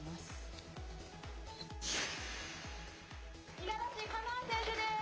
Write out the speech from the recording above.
五十嵐カノア選手です。